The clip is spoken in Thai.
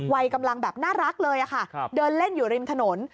วัยกำลังแบบน่ารักเลยค่ะเดินเล่นอยู่ริมถนน